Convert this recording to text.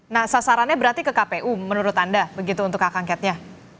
nah sasarannya berarti ke kpu menurut anda begitu untuk hak angketnya